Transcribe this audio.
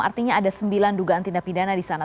artinya ada sembilan dugaan tindak pidana disana